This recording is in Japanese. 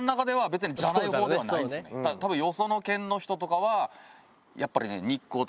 多分よその県の人とかはやっぱりね。